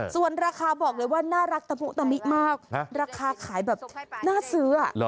ส่วนราคาบอกเลยว่าน่ารักตะพุตมิมากราคาขายแบบน่าซื้อ